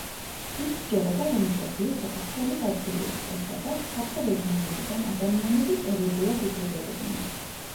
შმიდტს სჯეროდა, რომ ძეგლი საკურთხევლის ადგილი იყო, სადაც ფართო რეგიონიდან ადამიანები პერიოდულად იკრიბებოდნენ.